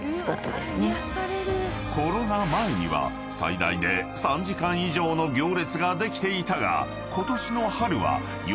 ［コロナ前には最大で３時間以上の行列ができていたが］